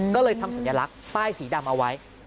ก็เลยทำสัญลักษณ์ป้ายสีดำเอาไว้